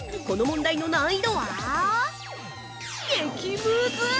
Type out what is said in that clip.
この問題の難易度は激ムズ。